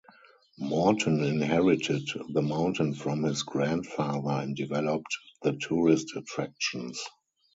Morton inherited the mountain from his grandfather and developed the tourist attractions.